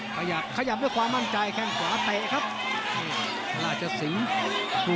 ขยับขยับขยับขวามั่นใจแค้งขวาแตะครับ